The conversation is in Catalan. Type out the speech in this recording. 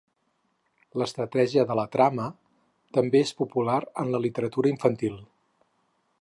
L'estratègia de la trama també és popular en la literatura infantil.